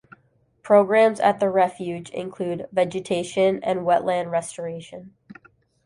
Programs at the refuge include vegetation and wetland restoration.